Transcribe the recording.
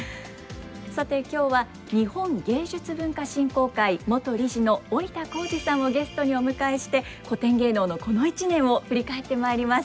さて今日は日本芸術文化振興会元理事の織田紘二さんをゲストにお迎えして古典芸能のこの一年を振り返ってまいります。